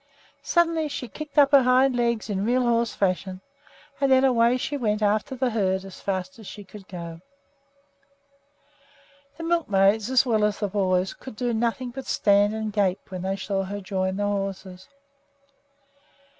Suddenly she kicked up her hind legs in real horse fashion, and then away she went after the herd as fast as she could go. The milkmaids, as well as the boys, could do nothing but stand and gape when they saw her join the horses.